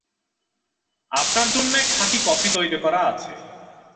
আপনার জন্যে খাঁটি কফি তৈরি করা আছে।